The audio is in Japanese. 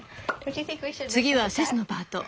次はセスのパート。